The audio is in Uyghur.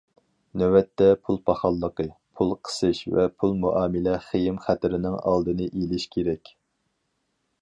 نۆۋەتتە پۇل پاخاللىقى، پۇل قىسىش ۋە پۇل مۇئامىلە خېيىم خەتىرىنىڭ ئالدىنى ئېلىش كېرەك.